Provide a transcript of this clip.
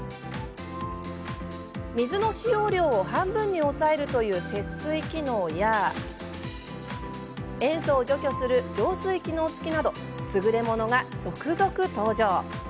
水の使用量を半分に抑えるという節水機能や塩素を除去する浄水機能付きなど優れものが続々登場。